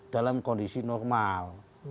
dalam kondisi normal